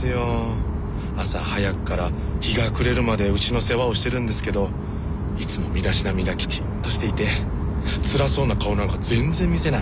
朝早くから日が暮れるまで牛の世話をしてるんですけどいつも身だしなみがきちんとしていてつらそうな顔なんか全然見せない。